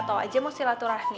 mba tau aja mau silaturahmi